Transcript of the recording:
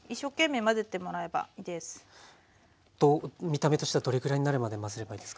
見た目としてはどれぐらいになるまで混ぜればいいですか？